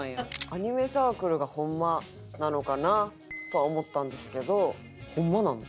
アニメサークルがホンマなのかなとは思ったんですけどホンマなんですか？